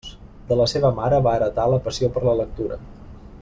De la seva mare va heretar la passió per la lectura.